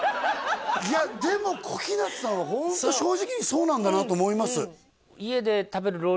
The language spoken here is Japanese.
いやでも小日向さんはホント正直にそうなんだなと思います